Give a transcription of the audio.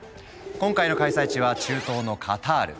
今回の開催地は中東のカタール！